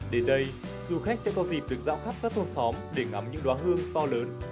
đến đây du khách sẽ có dịp được dạo khắp các thôn xóm để ngắm những đoá hương to lớn